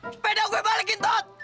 sepeda gue balikin tod